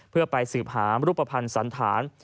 เพื่อไปสืบหารูปภัณฑ์สันธาร